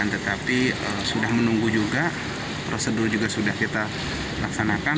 tetapi sudah menunggu juga prosedur juga sudah kita laksanakan